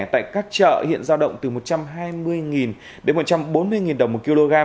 tại các chợ hiện giao động từ một trăm hai mươi đến một trăm bốn mươi đồng một kg